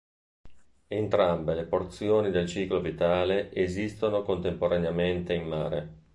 Entrambe le porzioni del ciclo vitale esistono contemporaneamente in mare.